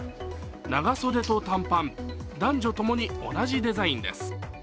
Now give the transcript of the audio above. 長袖と短パン、男女ともに同じデザインです。